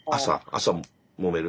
朝もめる？